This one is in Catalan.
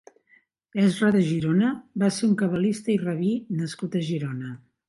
Ezra de Girona va ser un cabalista i rabí nascut a Girona.